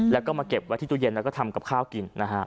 แล้วก็มาเก็บไว้ตู้เย็นและก็ทำกินกิน